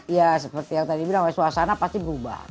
ya seperti yang tadi bilang suasana pasti berubah